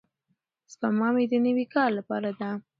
سپما مې د نوي کار لپاره ده.